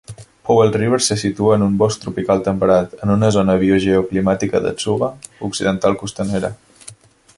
Powell River se situa en un bosc tropical temperat, en una zona biogeoclimàtica de tsuga occidental costanera.